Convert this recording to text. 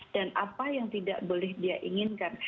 dan apa yang tidak boleh dia inginkan